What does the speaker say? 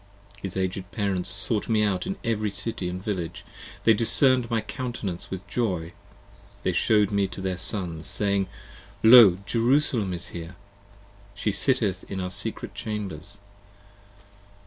His aged parents sought me out in every city & village: They discern'd my countenance with joy; they shew'd me to their sons, Saying, Lo Jerusalem is here! she sitteth in our secret chambers.